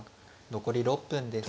残り６分です。